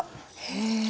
へえ。